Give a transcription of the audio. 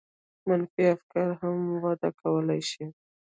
منفي افکار هم وده کولای شي.